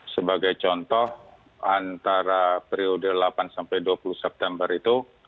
sebagai contoh antara periode delapan sampai dua puluh september itu